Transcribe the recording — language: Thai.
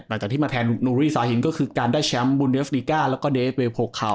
หลังจากที่มาแทนนุรีสาหินก็คือการได้แชมป์บุนเดสรีกาแล้วก็เดเอเฟย์โพลคัล